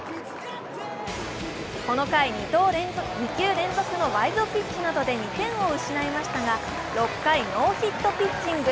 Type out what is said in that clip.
この回２球連続のワイルドピッチなどで２点を失いましたが、６回ノーヒットピッチング。